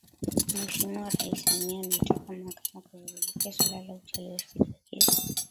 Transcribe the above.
Mheshimiwa Rais Samia ameitaka Mahakama kushughulikia suala la ucheleweshwaji wa kesi